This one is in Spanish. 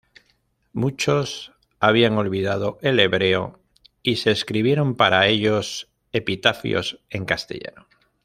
Muchos habían olvidado el hebreo, y se escribieron para ellos epitafios en castellano.